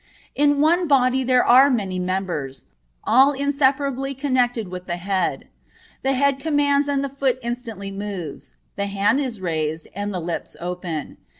(23) In one body there are many members, all inseparably connected with the head. The head commands and the foot instantly moves, the hand is raised and the lips open.